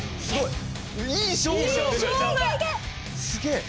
すげえ。